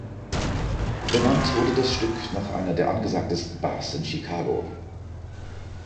Benannt wurde das Stück nach einer der angesagtesten Bars in Chicago.